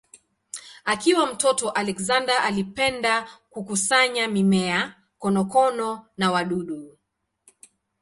Akiwa mtoto Alexander alipenda kukusanya mimea, konokono na wadudu.